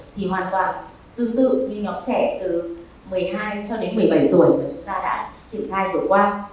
thì hoàn toàn tương tự với nhóm trẻ từ một mươi hai cho đến một mươi bảy tuổi mà chúng ta đã triển khai vừa qua